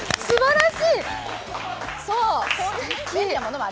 すばらしい！